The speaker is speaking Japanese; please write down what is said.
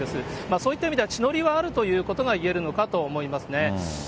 そういった意味では、地の利はあるということは言えるのかと思いますね。